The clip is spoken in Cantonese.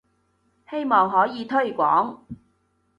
希望可以推廣